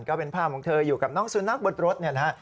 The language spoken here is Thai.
ก็เป็นภาพของเธออยู่กับน้องสุนัขบนรถเนี่ยนะฮะ